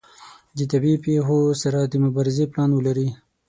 د طبیعي پیښو سره د مبارزې پلان ولري.